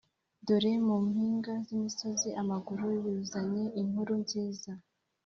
Dore mu mpinga z’imisozi amaguru y’uzanye inkuru nziza